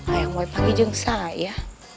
ayang weh pake jengsa ya